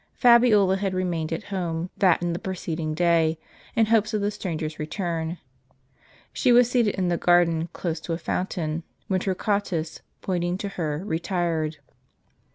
Fabiola had remained at home that and the preceding day, in hopes of the stranger's return. She was seated in the garden close to a fountain, when Torquatus, pointing to her, retired.